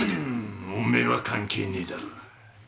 おめえは関係ねえだろう。